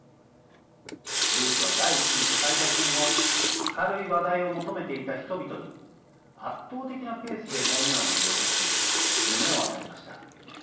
ルースは第１次世界大戦後明るい話題を求めていた人々に圧倒的なペースでホームランを量産し夢を与えました。